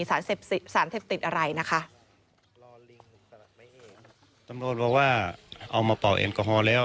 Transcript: สารเสพสิทธิ์สารเสพติดอะไรนะคะตำรวจบอกว่าเอามาเป่าเอนกอฮอล์แล้ว